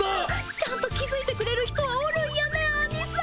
ちゃんと気づいてくれる人はおるんやねアニさん。